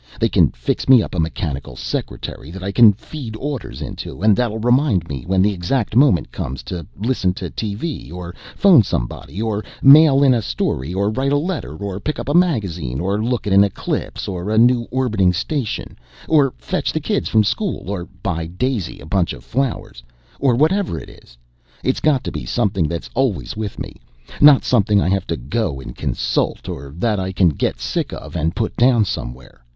They can fix me up a mechanical secretary that I can feed orders into and that'll remind me when the exact moment comes to listen to TV or phone somebody or mail in a story or write a letter or pick up a magazine or look at an eclipse or a new orbiting station or fetch the kids from school or buy Daisy a bunch of flowers or whatever it is. It's got to be something that's always with me, not something I have to go and consult or that I can get sick of and put down somewhere.